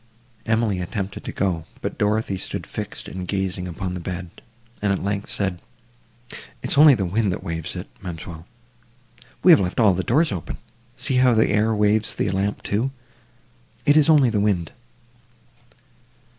Emily attempted to go, but Dorothée stood fixed and gazing upon the bed; and, at length, said—"It is only the wind, that waves it, ma'amselle; we have left all the doors open: see how the air waves the lamp, too.—It is only the wind."